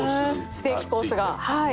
ステーキコースがはい。